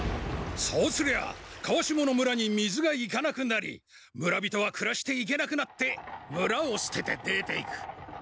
そうすりゃあ川下の村に水が行かなくなり村人はくらしていけなくなって村をすてて出ていく。